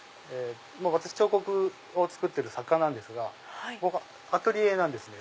私彫刻を作ってる作家なんですがここアトリエなんですね。